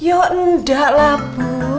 ya udah lah bu